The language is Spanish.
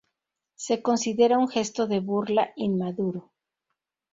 Se considera un gesto de burla inmaduro.